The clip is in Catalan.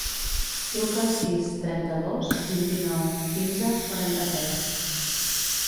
Truca al sis, trenta-dos, vint-i-nou, quinze, quaranta-tres.